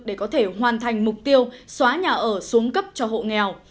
để có thể hoàn thành mục tiêu xóa nhà ở xuống cấp cho hộ nghèo